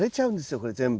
これ全部。